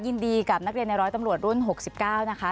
ยินดีกับนักเรียนในร้อยตำรวจรุ่น๖๙นะคะ